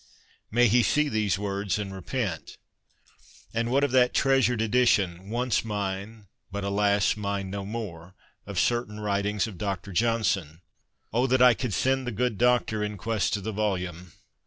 May he see these words and repent ! And what of that treasured edition — once mine, but, alas ! mine no more — of certain writings of Dr. Johnson? Oh, that I could send the good doctor in quest of the volume